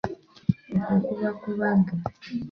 Okwo kuba kubaga.